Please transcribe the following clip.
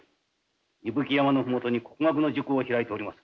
伊吹山の麓に国学の塾を開いております。